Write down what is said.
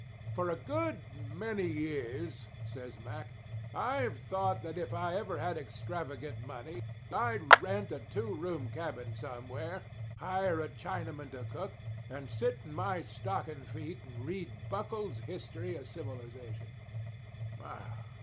"For a good many years," says Mack, "I've thought that if I ever had extravagant money I'd rent a two room cabin somewhere, hire a Chinaman to cook, and sit in my stocking feet and read Buckle's History of Civilisation."